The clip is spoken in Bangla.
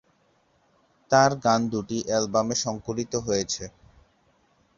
তাঁর গান দুটি অ্যালবামে সংকলিত হয়েছে।